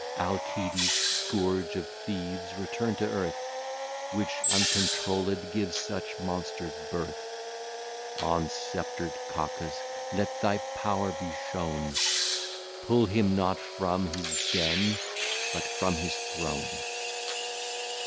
Alcides, Scourge of Thieves, return to Earth, Which uncontrolled gives such Monsters birth; On Scepter'd Cacus let thy Power be shown, Pull him not from his Den, but from his Throne.